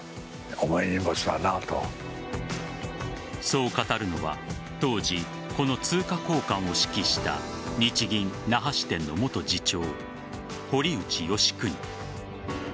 そう語るのは当時、この通貨交換を指揮した日銀那覇支店の元次長堀内好訓。